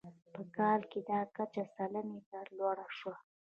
په کال کې دا کچه سلنې ته لوړه شوه.